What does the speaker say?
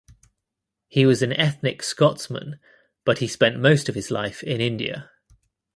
He was an ethnic Scotsman but he spent most of his life in India.